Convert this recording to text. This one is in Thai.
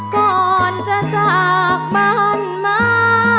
ก่อนจะจากบ้านมา